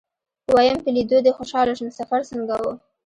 ويم په ليدو دې خوشاله شوم سفر څنګه و.